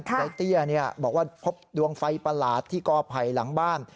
ในเตี้ยบอกว่าพบดวงไฟประหลาดที่กอไผ่หลังบ้าน